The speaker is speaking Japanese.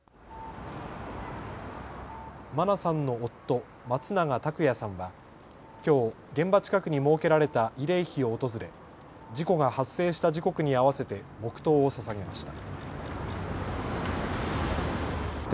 真菜さんの夫、松永拓也さんはきょう、現場近くに設けられた慰霊碑を訪れ事故が発生した時刻に合わせて黙とうをささげました。